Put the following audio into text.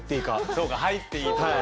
そうか入っていいところが。